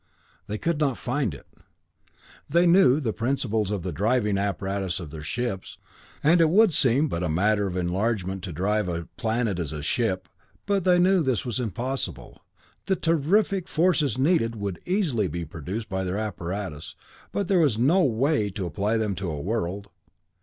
They could not find it. They knew the principles of the driving apparatus of their ships, and it would seem but a matter of enlargement to drive a planet as a ship, but they knew this was impossible; the terrific forces needed would easily be produced by their apparatus, but there was no way to apply them to a world.